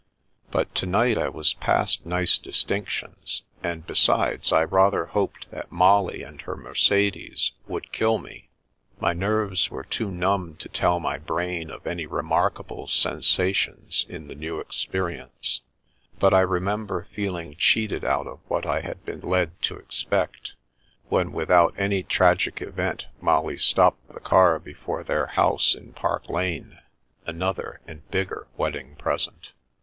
But to night I was past nice distinctions, and besides, I rather hoped that Molly and her Mercedes would kill me. My nerves were too numb to tell my brain of any remarkable sensations in the new experience, but I remember feeling cheated out of what I had been led to expect when without any tragic event Molly stopped the car before their house in Park Lane — ^another and bigger wedding present.